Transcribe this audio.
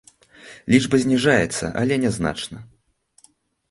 Лічба зніжаецца, але нязначна.